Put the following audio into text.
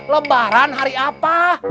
lebaran hari apa